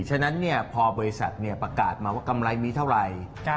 ฉะนั้นพอบริษัทประกาศมาว่ากำไรมีเท่าไหร่